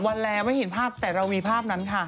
แลไม่เห็นภาพแต่เรามีภาพนั้นค่ะ